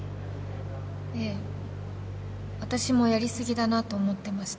ええ私もやり過ぎだなと思ってました。